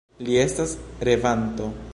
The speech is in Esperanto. Li estas revanto!